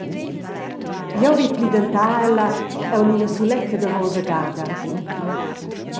Jeu vi plidentar ella, aunc ina suletta davosa gada.